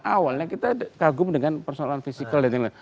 awalnya kita kagum dengan persoalan fisikal dan lain lain